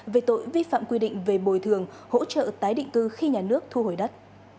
về tội vi phạm quy định về bồi thường hỗ trợ tái định cư khi nhà nước thu hồi đất